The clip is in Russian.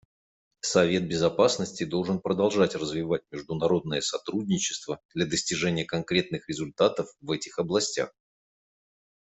Совет Безопасности должен продолжать развивать международное сотрудничество для достижения конкретных результатов в этих областях.